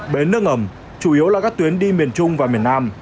bến nước ngầm chủ yếu là các tuyến đi miền trung và miền nam